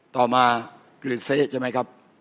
ต่อมากลืดเส้นใช่ไหมครับ